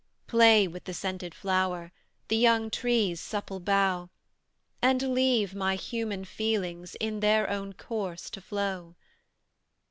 "Play with the scented flower, The young tree's supple bough, And leave my human feelings In their own course to flow."